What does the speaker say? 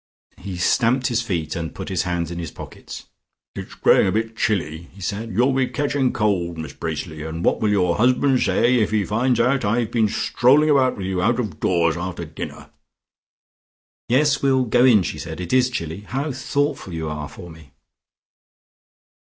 He stamped his feet and put his hands in his pockets. "It's growing a bit chilly," he said. "You'll be catching cold, Miss Bracely, and what will your husband say if he finds out I've been strolling about with you out of doors after dinner?" "Yes, we'll go in," she said. "It is chilly. How thoughtful you are for me."